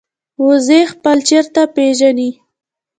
وزې خپل چرته پېژني